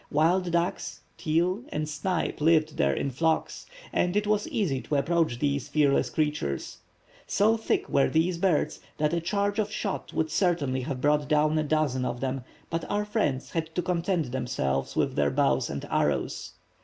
Wild ducks, teal, and snipe lived there in flocks, and it was easy to approach these fearless creatures. So thick were these birds that a charge of shot would certainly have brought down a dozen of them, but our friends had to content themselves with their bows and arrows.